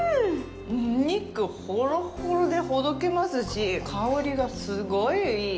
お肉ほろほろでほどけますし、香りがすごいいい。